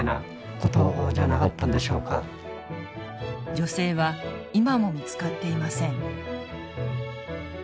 女性は今も見つかっていません。